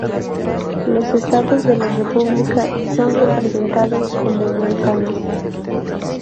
Los estados de la república son representados como manzanas.